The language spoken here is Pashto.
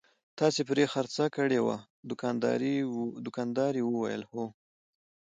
تاسې پرې خرڅه کړې وه؟ دوکاندارې وویل: هو.